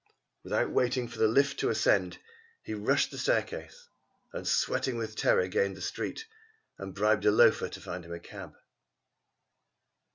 Without waiting for the lift to ascend he rushed to the staircase, and sweating with terror gained the street and bribed a loafer to find him a cab.